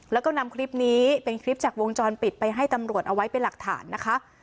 แล้วก็นำคลิปนี้เป็นคลิปจากวงจรปิดไปให้ตำรวจเอาไว้เป็นหลักฐานนะคะ